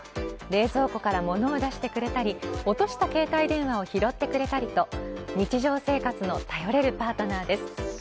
冷蔵庫から物を出してくれたり落とした携帯電話を拾ってくれたりと日常生活の頼れるパートナーです。